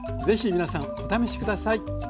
ぜひ皆さんお試し下さい。